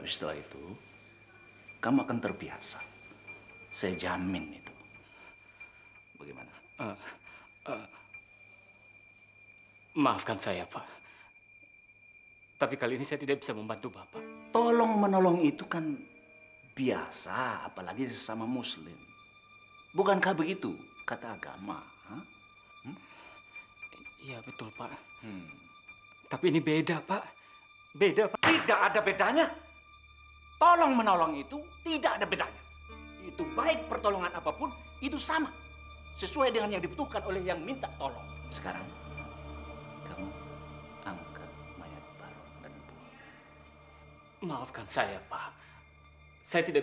sampai jumpa di video selanjutnya